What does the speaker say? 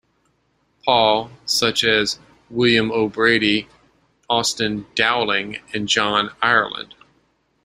Paul, such as William O. Brady, Austin Dowling, and John Ireland.